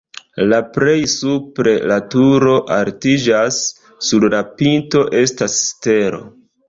La plej supre la turo altiĝas, sur la pinto estas stelo.